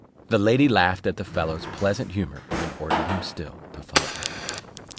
The lady laughed at the fellow's pleasant humour, and ordered him still to follow her.